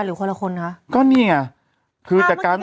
ตรงคนเดียวกันหรือคนละคนคะ